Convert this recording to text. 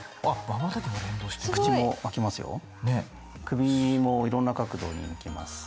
首もいろんな角度にいきます。